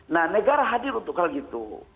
nah negara hadir untuk hal itu